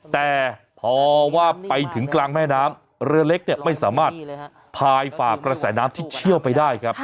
แต่พอว่าไปถึงกลางแม่น้ำเรือเล็กเนี่ยไม่สามารถพายฝากกระแสน้ำที่เชี่ยวไปได้ครับ